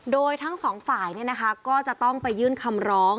โดยทั้งสองฝ่ายก็จะต้องไปยื่นคำร้อง